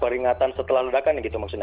peringatan setelah ledakan yang gitu maksudnya